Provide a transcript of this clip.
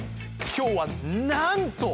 今日はなんと！